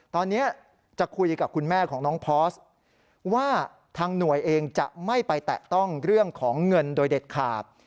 ตอนนี้จะคุยกับคุณแม่ของน้องพอร์สว่าทางหน่วยเองจะไม่ไปแตะต้องเรื่องของเงินโดยเด็ดขาด